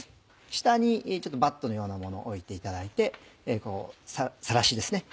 下にバットのようなものを置いていただいてさらしですね